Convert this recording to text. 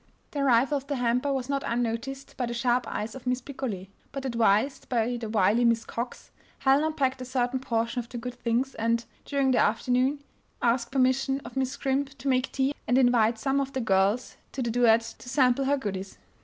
The arrival of the hamper was not unnoticed by the sharp eyes of Miss Picolet; but advised by the wily Miss Cox, Helen unpacked a certain portion of the good things and, during the afternoon, asked permission of Miss Scrimp to make tea and invite some of the girls to the duet to sample her goodies.